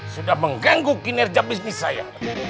sudah mengganggu kinerja bisnis saya